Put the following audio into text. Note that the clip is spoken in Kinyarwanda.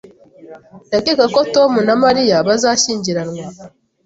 Ndakeka ko Tom na Mariya bazashyingirwa